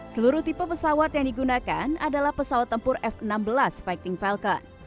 seluruh tipe pesawat yang digunakan adalah pesawat tempur f enam belas fighting falcon